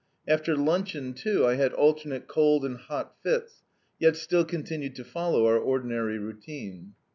After luncheon too, I had alternate cold and hot fits, yet still continued to follow our ordinary routine.